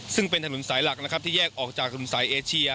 ซึ่งเป็นถนนสายหลักนะครับที่แยกออกจากถนนสายเอเชีย